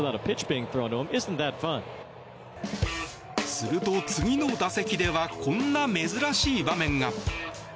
すると、次の打席ではこんな珍しい場面が。